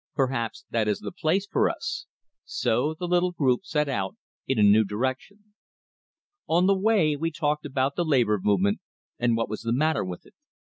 Perhaps that is the place for us." So the little group set out in a new direction. On the way we talked about the labor movement, and what was the matter with it.